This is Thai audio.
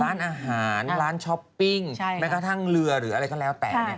ร้านอาหารร้านช้อปปิ้งแม้กระทั่งเรือหรืออะไรก็แล้วแต่